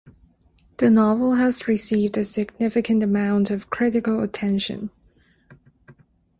The novel has received a significant amount of critical attention.